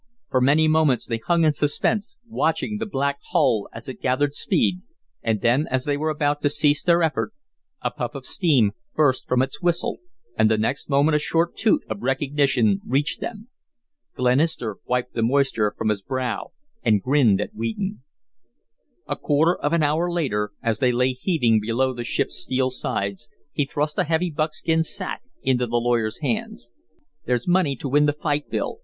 For many moments they hung in suspense, watching the black hull as it gathered speed, and then, as they were about to cease their effort, a puff of steam burst from its whistle and the next moment a short toot of recognition reached them. Glenister wiped the moisture from his brow and grinned at Wheaton. A quarter of an hour later, as they lay heaving below the ship's steel sides, he thrust a heavy buckskin sack into the lawyer's hand. "There's money to win the fight, Bill.